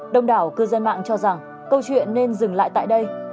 đông đảo cư dân mạng cho rằng câu chuyện nên dừng lại tại đây